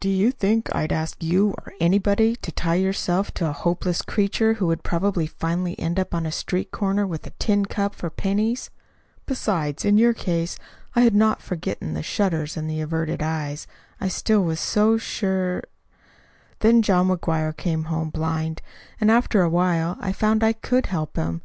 "Do you think I'd ask you or anybody to tie yourself to a helpless creature who would probably finally end up on a street corner with a tin cup for pennies? Besides, in your case, I had not forgotten the shudders and the averted eyes. I still was so sure "Then John McGuire came home blind; and after a while I found I could help him.